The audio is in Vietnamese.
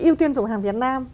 yêu tiên dùng hàng việt nam